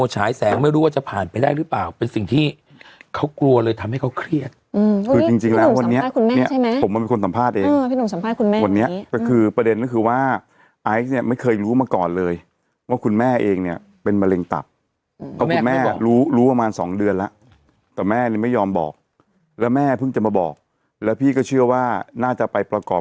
หายแสงไม่รู้ว่าจะผ่านไปได้หรือเปล่าเป็นสิ่งที่เขากลัวเลยทำให้เขาเครียดพี่หนุ่มสัมภาษณ์คุณแม่ใช่ไหมผมมาเป็นคนสัมภาษณ์เองพี่หนุ่มสัมภาษณ์คุณแม่คนนี้ประเด็นก็คือว่าไอซ์ไม่เคยรู้มาก่อนเลยว่าคุณแม่เองเป็นมะเร็งตับคุณแม่รู้ประมาณ๒เดือนแล้วแต่แม่ไม่ยอมบอกแล้วแม่เพิ่งจะมาบอกแล้วพ